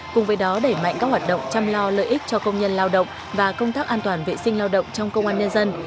cùng với đó đẩy mạnh các hoạt động chăm lo lợi ích cho công nhân lao động và công tác an toàn vệ sinh lao động trong công an nhân dân